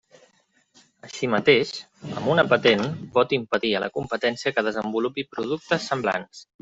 Així mateix, amb una patent pot impedir a la competència que desenvolupi productes semblants.